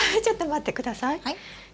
ちょっと待って下さい。